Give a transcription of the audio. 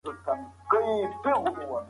ايا کيميا له فلسفې جلا سوه؟